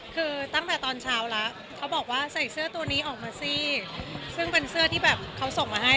คือตั้งแต่ตอนเช้าระเขาเรียนว่าใส่เสื้อตัวนี้คือเราส่งมาให้